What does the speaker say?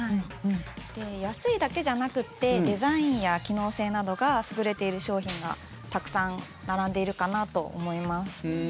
安いだけじゃなくてデザインや機能性などが優れている商品がたくさん並んでいるかなと思います。